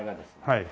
はい。